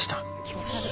気持ち悪。